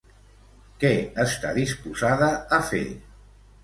Què està disposada a fer?